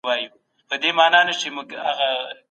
د ټولني بهبود زموږ اصلي هدف دی.